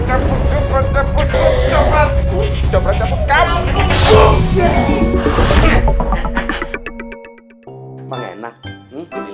aduh masa depan ini pin peng yuk